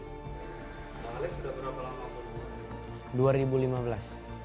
pada saat ini sudah berapa lama pemburu